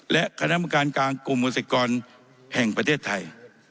และคณะกรรมการกลางกลุ่มเกษตรกรแห่งประเทศไทย